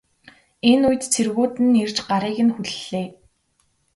Энэ үед цэргүүд нь ирж гарыг нь хүллээ.